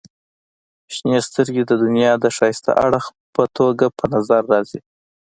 • شنې سترګې د دنیا د ښایسته اړخ په توګه په نظر راځي.